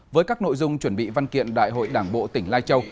với các nội dung chuẩn bị văn kiện đại hội đảng bộ tỉnh lai châu